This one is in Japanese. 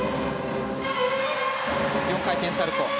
４回転サルコウ。